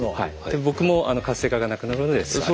僕も活性化がなくなるので座ると。